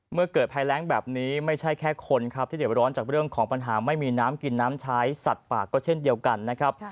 เกิดภัยแรงแบบนี้ไม่ใช่แค่คนครับที่เด็บร้อนจากเรื่องของปัญหาไม่มีน้ำกินน้ำใช้สัตว์ป่าก็เช่นเดียวกันนะครับ